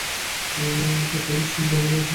পার্কে একই সিস্টেম ব্যবহার করেছিলাম আমরা।